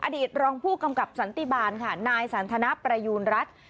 อดีตรองผู้กำกับสันติบาลค่ะนายสันทนประยูณรัฐ